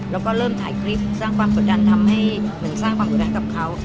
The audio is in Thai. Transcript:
แล้วก็เริ่มถ่ายคลิปสร้างความกดดันทำให้เหมือนสร้างความอุรักกับเขา